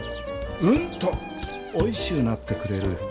うんとおいしゅうなってくれる。